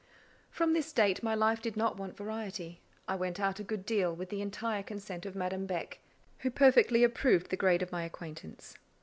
From this date my life did not want variety; I went out a good deal, with the entire consent of Madame Beck, who perfectly approved the grade of my acquaintance.